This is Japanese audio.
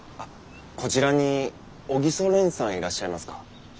こちらに小木曽蓮さんいらっしゃいますか？